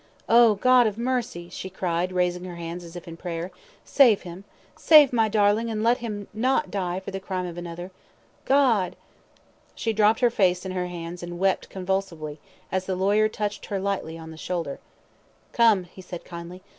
"Oh, God of Mercy," she cried, raising her hands as if in prayer, "save him. Save my darling, and let him not die for the crime of another. God " She dropped her face in her hands and wept convulsively, as the lawyer touched her lightly on the shoulder. "Come!" he said kindly.